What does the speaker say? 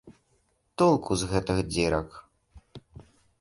Толку з гэтых дзірак!